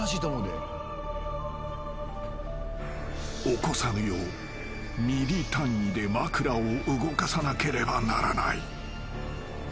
［起こさぬようミリ単位で枕を動かさなければならない］